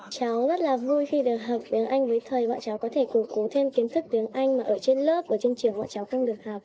cháu rất là vui khi được học tiếng anh với thầy bọn cháu có thể củng cố thêm kiến thức tiếng anh mà ở trên lớp ở trên trường bọn cháu không được học